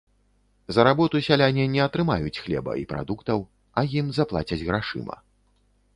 За работу сяляне не атрымаюць хлеба і прадуктаў, а ім заплацяць грашыма.